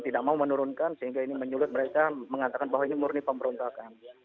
tidak mau menurunkan sehingga ini menyulut mereka mengatakan bahwa ini murni pemberontakan